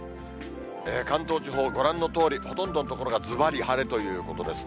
関東地方、ご覧のとおり、ほとんどの所がずばり晴れということですね。